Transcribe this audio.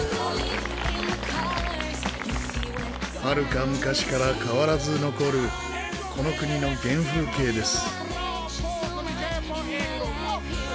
はるか昔から変わらず残るこの国の原風景です。